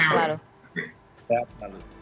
selamat sore hari